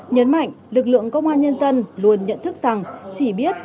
nhấn mạnh lực lượng công an nhân dân luôn nhận thức rằng chỉ biết